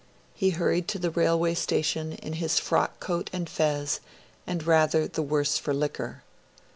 He hurried to the railway station in his frockcoat and fez, and rather the worse for liquor.